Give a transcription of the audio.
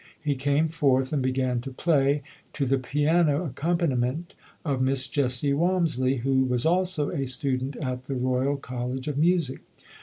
He came forth and began to play to the piano accompaniment of Miss Jessie Walmisley, who was also a student at the Royal College of Music.